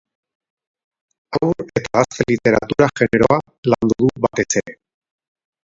Haur eta gazte literatura generoa landu du batez ere.